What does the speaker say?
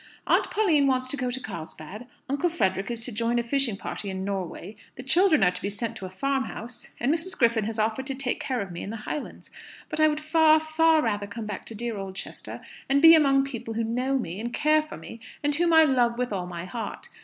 "Aunt Pauline wants to go to Carlsbad; Uncle Frederick is to join a fishing party in Norway; the children are to be sent to a farmhouse; and Mrs. Griffin has offered to take care of me in the Highlands. But I would far, far rather come back to dear Oldchester, and be amongst people who know me, and care for me, and whom I love with all my heart.